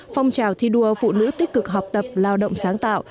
phong trào thi đua phụ nữ tích cực học tập lao động sáng tạo